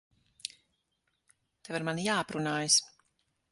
Tev ar mani jāaprunājas.